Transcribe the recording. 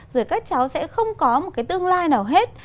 rồi các cháu sẽ không có một cái tương lai nào hết